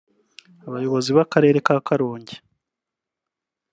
Abayobozi b’akarere ka Karongi